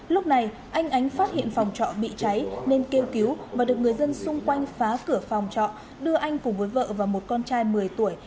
lúc này anh ánh phát hiện phòng trọ bị cháy nên kêu cứu và được người dân xung quanh phá cửa phòng trọ đưa anh cùng với vợ và một con trai một mươi tuổi